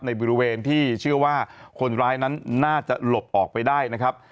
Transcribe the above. ในบริเวณที่เชื่อว่าคนร้ายนั้นน่าจะหลบออกไปได้นะครับ